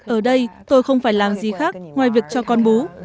ở đây tôi không phải làm gì khác ngoài việc cho con bú